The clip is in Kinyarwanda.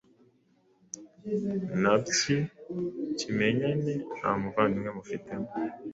Nabyi kimenyane nta muvandimwe mufitemo